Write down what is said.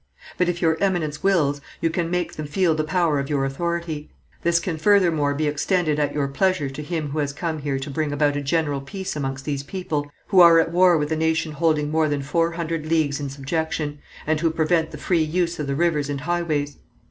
But, if your Eminence wills, you can make them feel the power of your authority. This can furthermore be extended at your pleasure to him who has come here to bring about a general peace among these people, who are at war with a nation holding more than four hundred leagues in subjection, and who prevent the free use of the rivers and highways.